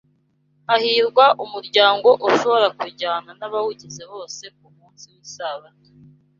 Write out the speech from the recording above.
Hahirwa umuryango ushobora kujyana n’abawugize bose ku munsi w’Isabato